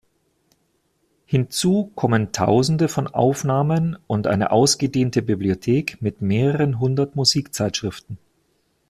Hinzu kommen tausende von Aufnahmen und eine ausgedehnte Bibliothek mit mehreren hundert Musikzeitschriften.